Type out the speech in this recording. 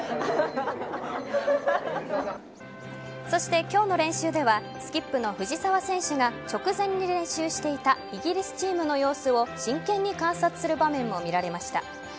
そして、今日の練習ではスキップの藤澤選手が直前に練習していたイギリスチームの様子を真剣に観察する場面も見られました。